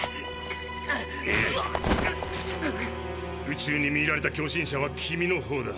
宇宙にみいられた狂信者は君のほうだ。